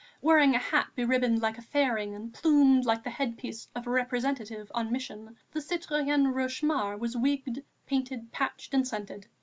Wearing a hat beribboned like a fairing and plumed like the head piece of a Representative on mission, the citoyenne Rochemaure was wigged, painted, patched and scented.